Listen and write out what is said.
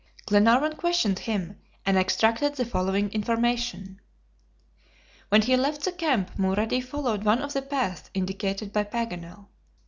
Glenarvan questioned him, and extracted the following information: When he left the camp Mulrady followed one of the paths indicated by Paganel.